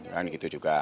dan gitu juga